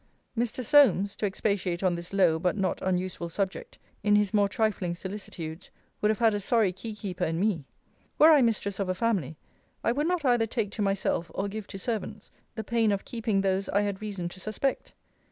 Mr. Solmes, (to expatiate on this low, but not unuseful subject,) in his more trifling solicitudes, would have had a sorry key keeper in me. Were I mistress of a family, I would not either take to myself, or give to servants, the pain of keeping those I had reason to suspect.